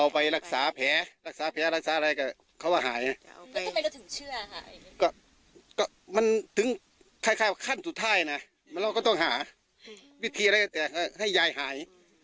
พิธีอะไรก็แต่ให้ยายหาย